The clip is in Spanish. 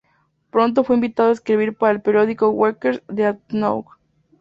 Pronto fue invitado a escribir para el periódico "Workers' Dreadnought".